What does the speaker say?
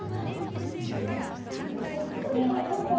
面白いわ。